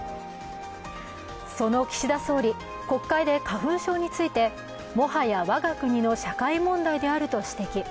その岸田総理、国会で花粉症についてもはや我が国の社会問題であると指摘。